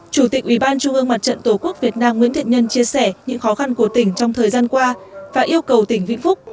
chủ tịch ubnd tổ quốc việt nam nguyễn thịnh nhân chia sẻ những khó khăn của tỉnh trong thời gian qua và yêu cầu tỉnh vĩnh phúc